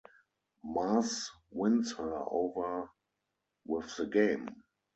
Mars wins her over with the game.